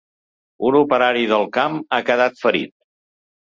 Un operari del camp ha quedat ferit.